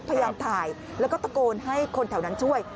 พยายามถ่ายแล้วก็ตะโกนให้คนแถวนั้นช่วย